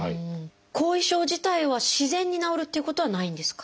後遺症自体は自然に治るっていうことはないんですか？